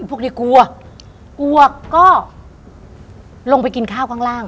พวกนี้กลัวกลัวก็ลงไปกินข้าวข้างล่าง